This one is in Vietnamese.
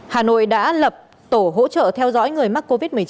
hà nội đã lập tổ hỗ trợ theo dõi người mắc covid một mươi chín